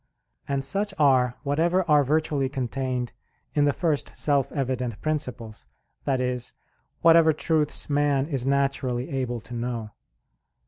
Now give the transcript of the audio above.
And such are whatever are virtually contained in the first self evident principles, that is, whatever truths man is naturally able to know.